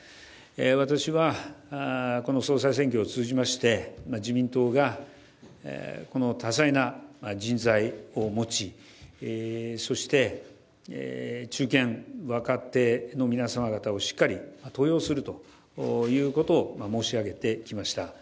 私はこの総裁選挙を通じまして自民党が多彩な人材を持ちそして中堅・若手の皆様方をしっかり登用するということを申し上げてきました。